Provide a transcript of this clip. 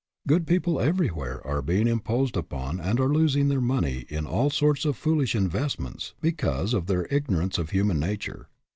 Good people everywhere are being imposed upon and are losing their money in all sorts of foolish investments because of their ignorance of human nature.